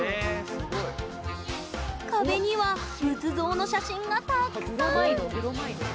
壁には仏像の写真が、たくさん！